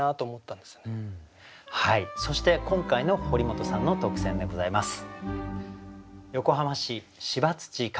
はいそして今回の堀本さんの特選でございます。